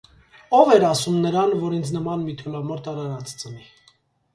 - Ո՞վ էր ասում նրան, որ ինձ նման մի թուլամորթ արարած ծնի: